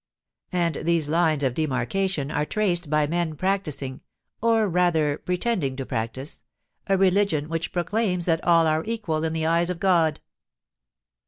And these lines of demarcation are traced by men practising—or rather pretending to practise—a religion which proclaims that all are equal in the eyes of God!